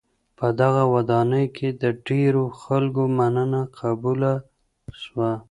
په دغه ودانۍ کي د ډېرو خلکو مننه قبوله سوه.